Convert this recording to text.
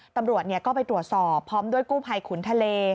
ตำรวจก็ไปตรวจสอบพร้อมด้วยกู้ภัยขุนทะเล